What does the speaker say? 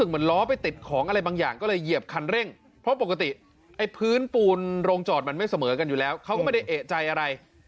มันไม่เสมอกันอยู่แล้วเขาก็ไม่ได้เอกใจอะไร